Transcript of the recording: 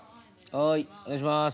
はいお願いします。